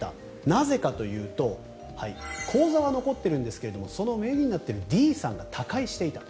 なぜかというと口座は残っているんですがその名義になっているＤさんが他界していた。